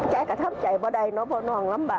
แจ้กะทำใจไปได้เนอะพอน้องลำบะ